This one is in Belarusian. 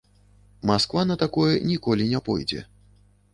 Масква на такое ніколі не пойдзе.